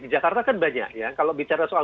di jakarta kan banyak ya kalau bicara soal